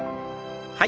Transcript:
はい。